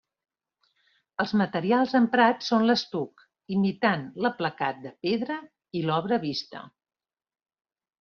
Els materials emprats són l'estuc, imitant l'aplacat de pedra i l'obra vista.